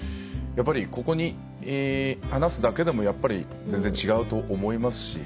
やっぱり、ここに話すだけでもやっぱり全然、違うと思いますし。